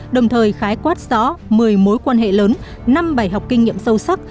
đồng thời khái quát rõ một mươi mối quan hệ lớn năm bài học kinh nghiệm sâu sắc